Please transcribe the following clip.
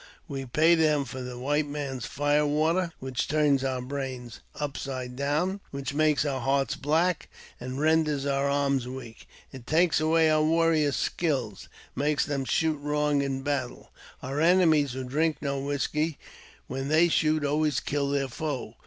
We pay them for the white man's fire water, which turns our brains upside down, which makes our hearts black, and renders our arms weak. It takes away our warriors' skill, and makes them shoot wrong in battle. Our enemies, who drink no whisky, when they shoot, always kill their foe.